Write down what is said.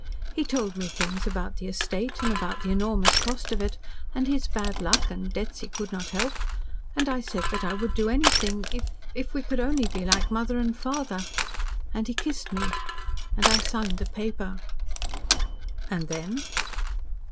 He told me things about the estate, and about the enormous cost of it, and his bad luck, and debts he could not help. And I said that I would do anything if if we could only be like mother and father. And he kissed me and I signed the paper." "And then?"